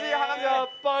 やっぱり！